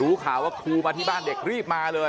รู้ข่าวว่าครูมาที่บ้านเด็กรีบมาเลย